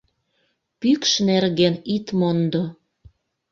Пӱкш нерген ит мондо!